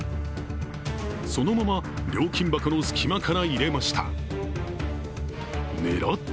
そのまま料金箱の隙間から入れました。